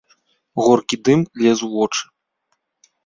Горкі дым лез у вочы.